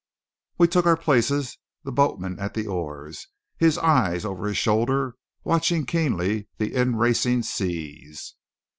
We took our places; the boatman at the oars, his eyes over his shoulder watching keenly the in racing seas.